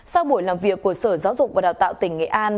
sau buổi làm việc của sở giáo dục và đào tạo tỉnh nghệ an